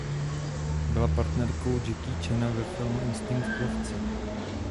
Byla partnerkou Jackie Chana ve filmu "Instinkt lovce".